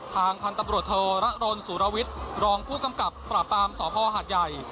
ทางพันธบรวจเทอร์รัตโรนสุรวิทรองผู้กำกับประปามสภหาดใหญ่